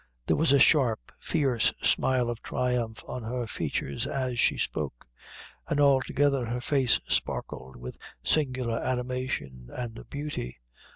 There was a sharp, fierce smile of triumph on her features as she spoke; and altogether her face sparkled with singular animation and beauty.